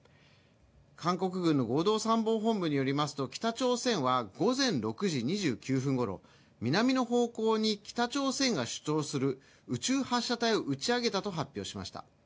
韓国軍の合同参謀本部によりますと、北朝鮮は午前６時２９分ごろ南の方向に北朝鮮が主張する宇宙発射体を打ち上げたと発表しました。